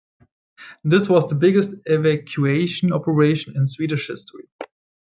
This was the biggest evacuation operation in Swedish history.